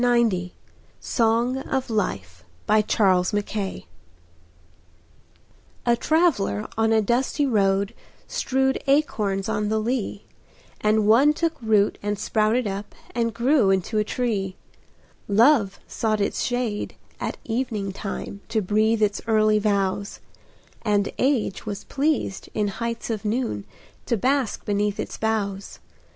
ANONYMOUS SONG OF LIFE A traveller on a dusty road Strewed acorns on the lea; And one took root and sprouted up, And grew into a tree. Love sought its shade at evening time, To breathe its early vows; And Age was pleased, in heights of noon, To bask beneath its boughs.